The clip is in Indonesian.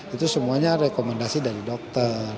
itu semuanya rekomendasi dari dokter